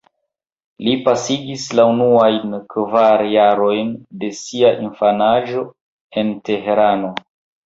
Li pasigis la unuajn kvar jarojn de sia infanaĝo en Tehrano.